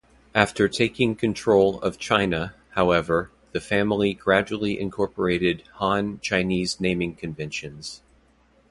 After taking control of China, however, the family gradually incorporated Han Chinese naming conventions.